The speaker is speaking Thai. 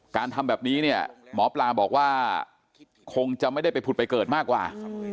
ทำแบบนี้เนี่ยหมอปลาบอกว่าคงจะไม่ได้ไปผุดไปเกิดมากกว่า